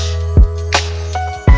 terima kasih ya allah